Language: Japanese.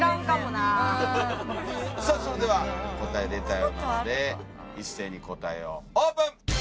さあそれでは答え出たようなので一斉に答えをオープン。